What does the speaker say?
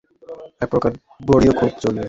ঐ প্রকার বড়িও খুব চলবে।